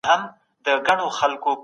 د پانګونې نړۍ خپله ځانګړې پوهه غواړي.